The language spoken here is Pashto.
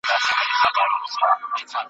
حبطه یې د فېشن ټوله خواري سي ,